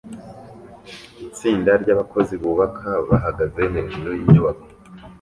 Itsinda ryabakozi bubaka bahagaze hejuru yinyubako